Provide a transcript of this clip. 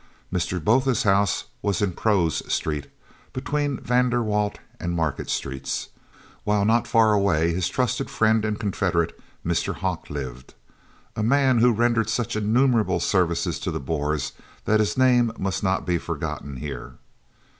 Mr. Botha's house was in Proes Street between van der Walt and Market Streets, while not far away his trusted friend and confederate Mr. Hocke lived, a man who rendered such innumerable services to the Boers that his name must not be forgotten here.